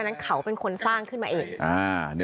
นั้นเขาเป็นคนสร้างขึ้นมาเอง